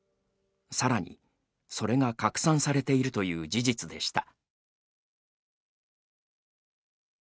さらに、それが拡散されているという事実でした。